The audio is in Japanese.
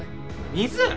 ・水？